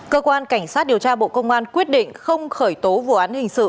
cơ quan cảnh sát điều tra bộ công an quyết định không khởi tố vụ án hình sự